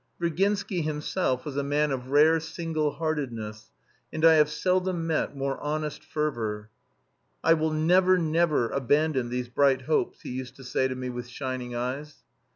Virginsky himself was a man of rare single heartedness, and I have seldom met more honest fervour. "I will never, never, abandon these bright hopes," he used to say to me with shining eyes.